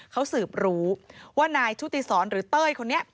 เขาสืบรู้ว่านายชุติศรหรือเต้ยคนนี้